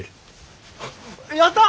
やった！